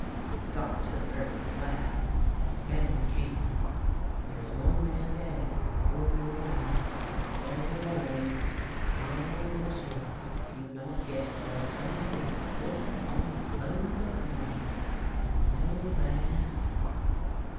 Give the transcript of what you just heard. We got to the river at last, and found the camp. There is one man dead — only one ; but there were bones — ah, m'sieu', you not guess what a thing it is to look upon the bones of men, and know that